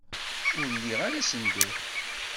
Ur liɣ ara asenduq.